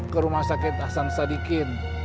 ke rumah sakit hasan sadikin